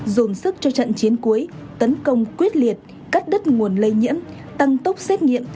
dồn sức cho trận chiến cuối tấn công quyết liệt cắt đứt nguồn lây nhiễm tăng tốc xét nghiệm